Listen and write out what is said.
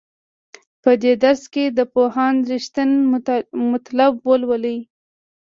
په دې درس کې د پوهاند رښتین مطلب ولولئ.